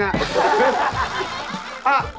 เถียง